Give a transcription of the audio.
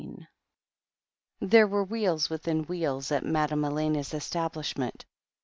IX There were wheels within wheels at Madame Elena's establishment.